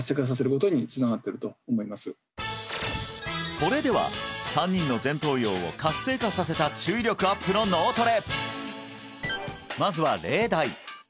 それでは３人の前頭葉を活性化させた注意力アップの脳トレ